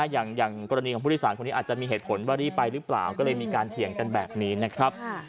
อย่างกรณีของผู้โดยสารคนนี้อาจจะมีเหตุผลว่ารีบไปหรือเปล่าก็เลยมีการเถียงกันแบบนี้นะครับ